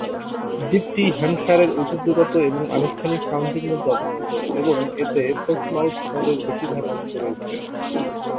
দ্বীপটি হ্যাম্পশায়ারের ঐতিহ্যগত এবং আনুষ্ঠানিক কাউন্টির মধ্যে অবস্থিত এবং এতে পোর্টসমাউথ শহরের বেশিরভাগ অংশ রয়েছে।